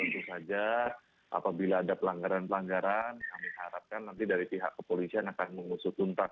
tentu saja apabila ada pelanggaran pelanggaran kami harapkan nanti dari pihak kepolisian akan mengusut tuntas